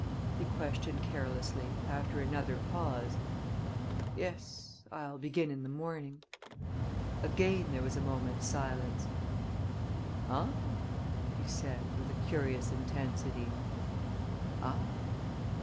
he questioned carelessly, after another pause. "Yes I'll begin in the morning." Again there was a moment's silence. "Ah!" he said, with a curious intensity. "Ah."